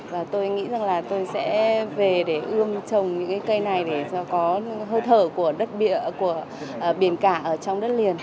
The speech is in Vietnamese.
và tôi nghĩ rằng là tôi sẽ về để ươm trồng những cái cây này để có hơi thở của biển cả ở trong đất liền